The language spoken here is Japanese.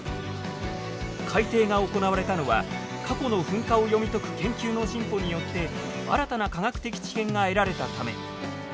改定が行われたのは過去の噴火を読み解く研究の進歩によって新たな科学的知見が得られたため。